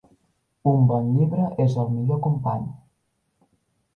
Un bon llibre és el millor company.